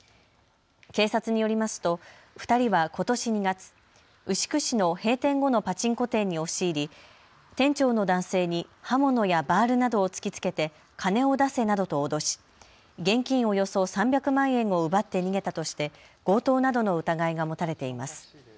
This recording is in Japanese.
警察によりますと２人はことし２月、牛久市の閉店後のパチンコ店に押し入り店長の男性に刃物やバールなどを突きつけて金を出せなどと脅し現金およそ３００万円を奪って逃げたとして強盗などの疑いが持たれています。